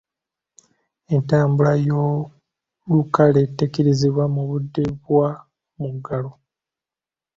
Entambula ey'olukale tekkirizibwa mu budde bwa muggalo.